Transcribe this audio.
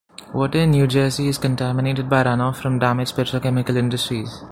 Water in New Jersey is contaminated by runoff from damaged petrochemical industries.